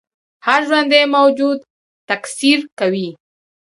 هر ژوندی موجود تکثیر کوي